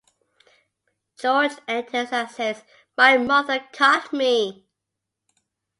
George enters and says, My mother caught me.